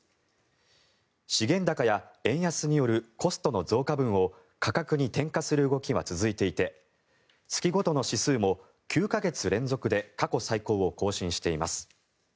資源高や円安によるコストの増加分を価格に転嫁する動きは続いていて月ごとの指数も９か月連続で過去最高を更新しています。